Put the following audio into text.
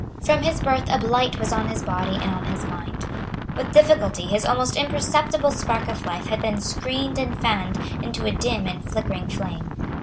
From his birth a blight was on his body and on his mind. With difficulty his almost imperceptible spark of life had been screened and fanned into a dim and flickering flame.